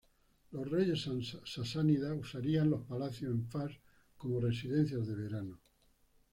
Los reyes sasánidas usarían los palacios en Fars como residencias de verano.